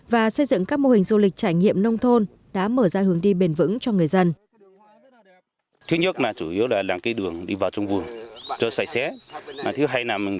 và xây dựng các mô hình du lịch chảy